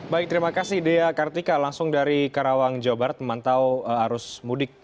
baik terima kasih dea kartika langsung dari karawang jawa barat memantau arus mudik